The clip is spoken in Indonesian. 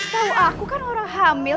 tahu aku kan orang hamil